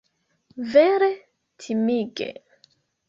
Vere timige!